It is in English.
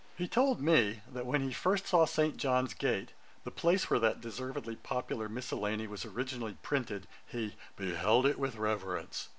He told me, that when he first saw St. John's Gate, the place where that deservedly popular miscellany was originally printed, he 'beheld it with reverence.'